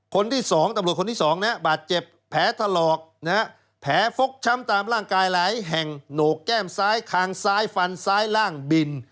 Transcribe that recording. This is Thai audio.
คนที่๒บาดเจ็บแผลถลอกแผลฟกช้ำตามร่างกายไหลแห่งโหนกแก้มซ้ายคางซ้ายฟันซ้ายร่างบิน